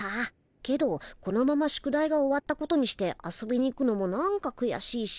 けどこのまま宿題が終わったことにして遊びに行くのもなんかくやしいし。